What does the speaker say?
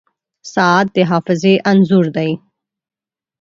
• ساعت د حافظې انځور دی.